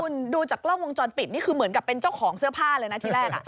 คุณดูจากกล้องวงจรปิดนี่คือเหมือนกับเป็นเจ้าของเสื้อผ้าเลยนะที่แรก